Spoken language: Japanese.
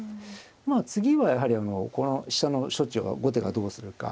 まあ次はやはりこの飛車の処置を後手がどうするか。